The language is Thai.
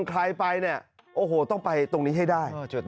ใครไปโอ้โฮต้องไปตรงนี้ให้ได้